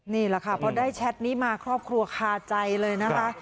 นี่แหละค่ะพอได้แชทนี้มาครอบครัวคาใจเลยนะคะ